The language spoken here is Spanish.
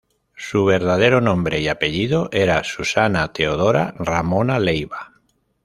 Su verdadero nombre y apellido era Susana Teodora Ramona Leiva.